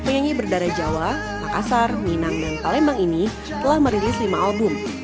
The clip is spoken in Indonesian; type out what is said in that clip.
penyanyi berdarah jawa makassar minang dan palembang ini telah merilis lima album